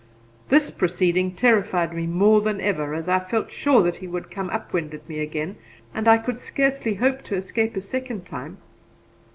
This proceeding terrified me more than ever, as I felt sure that he would come up wind at me again, and I could scarcely hope to escape a second time.